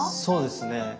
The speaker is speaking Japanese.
そうですね。